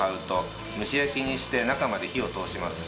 蒸し焼きにして中まで火を通します。